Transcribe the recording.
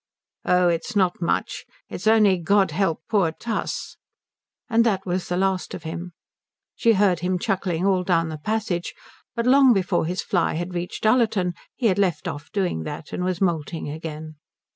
"Oh it's not much it's only God help poor Tuss." And that was the last of him. She heard him chuckling all down the passage; but long before his fly had reached Ullerton he had left off doing that and was moulting again.